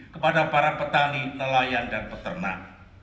kepada para petani nelayan dan peternak